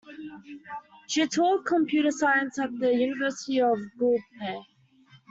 She taught computer science at the University of Guelph.